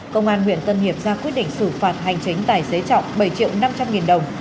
công an huyện tân hiệp ra quyết định xử phạt hành chính tài xế trọng bảy triệu năm trăm linh nghìn đồng